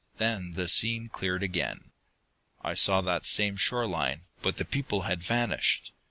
Then the scene cleared again. I saw that same shore line, but the people had vanished.